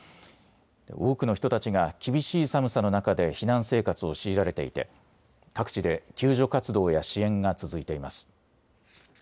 多くの人たちが厳しい寒さの中で避難生活を強いられていて各地で救助活動や支援が続いています。